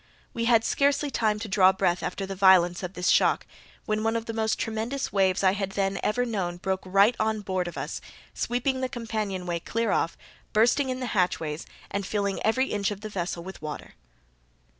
We had scarcely time to draw breath after the violence of this shock, when one of the most tremendous waves I had then ever known broke right on board of us, sweeping the companion way clear off, bursting in the hatchways, and filling every inch of the vessel with water.